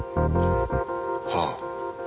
はあ。